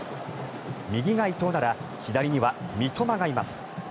右が伊東なら左には三笘がいます。